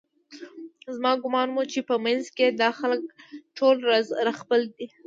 زما ګومان و چې په منځ کې یې دا خلک ټول راخپل دي